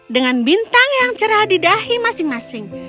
dengan bintang yang cerah di dahi masing masing